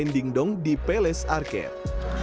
bermain dingdong di palace arcade